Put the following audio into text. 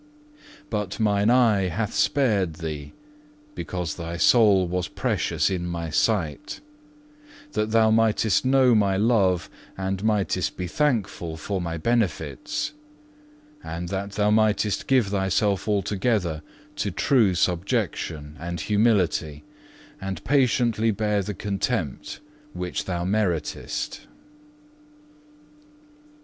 But Mine eye hath spared thee, because thy soul was precious in My sight; that thou mightest know My love, and mightest be thankful for My benefits; and that thou mightest give thyself altogether to true subjection and humility, and patiently bear the contempt which thou meritest."